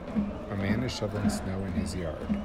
A man is shoveling snow in his yard.